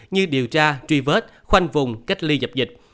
như điều tra truy vết khoanh vùng cách ly dập dịch